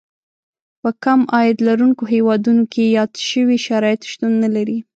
په کم عاید لرونکو هېوادونو کې یاد شوي شرایط شتون نه لري.